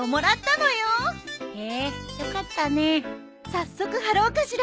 早速貼ろうかしら。